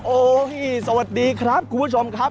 โอ้โหสวัสดีครับคุณผู้ชมครับ